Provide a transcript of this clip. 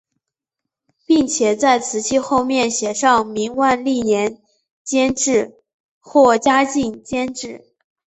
并且在瓷器后面写上明万历年间制或嘉靖年间制。